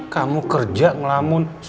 kamu kerja ngelamun